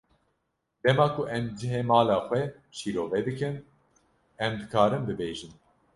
Dema ku em cihê mala xwe şîrove dikin, em dikarin bibêjin.